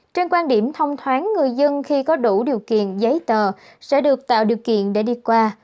trên quan điểm thông thoáng người dân khi có đủ điều kiện giấy tờ sẽ được tạo điều kiện để đi qua